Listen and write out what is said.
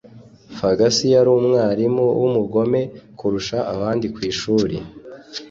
Fagasi yarumwarimu wumugome kurusha abandi kwishuri